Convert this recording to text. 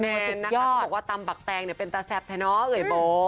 แมนนะคะบอกว่าตำปักแตงเป็นตาแซบแถนอ่ะเอยโบ